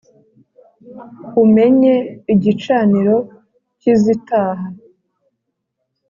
Umenye igicaniro cy’izitaha